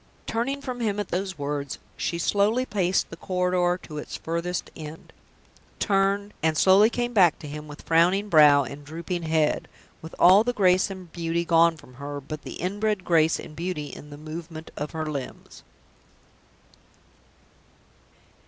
Turning from him at those words, she slowly paced the corridor to its furthest end; turned, and slowly came back to him with frowning brow and drooping head with all the grace and beauty gone from her, but the inbred grace and beauty in the movement of her limbs.